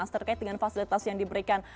terkait dengan fasilitas yang diberikan